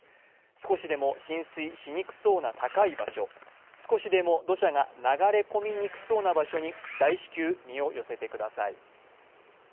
少しでも浸水しにくそうな高い場所、少しでも土砂が流れ込みにくそうな場所に大至急、身を寄せてください。